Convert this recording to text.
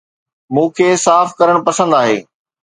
مون کي صاف ڪرڻ پسند آهي